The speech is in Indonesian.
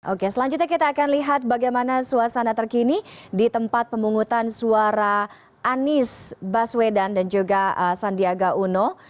oke selanjutnya kita akan lihat bagaimana suasana terkini di tempat pemungutan suara anies baswedan dan juga sandiaga uno